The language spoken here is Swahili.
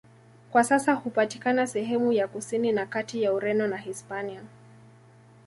Kwa sasa hupatikana sehemu ya kusini na kati ya Ureno na Hispania.